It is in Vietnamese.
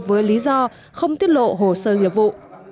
với lý do không tiết lộ hồ sơ nghiệp vụ